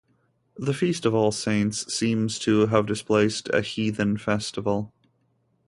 The feast of All Saints seems to have displaced a heathen festival.